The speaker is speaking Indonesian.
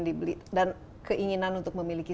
dibeli dan keinginan untuk memiliki